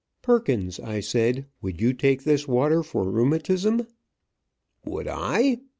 "Perkins," I said, "would you take this water for rheumatism?" "Would I?